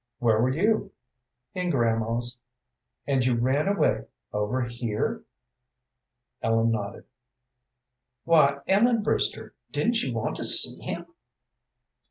"Where were you?" "In grandma's." "And you ran away, over here?" Ellen nodded. "Why, Ellen Brewster, didn't you want to see him?"